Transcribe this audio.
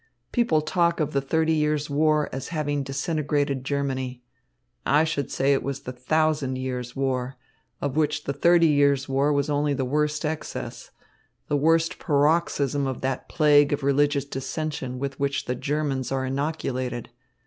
People talk of the Thirty Years' War as having disintegrated Germany. I should say it was the thousand years' war, of which the Thirty Years' War was only the worst excess, the worst paroxysm of that plague of religious dissension with which the Germans are inoculated.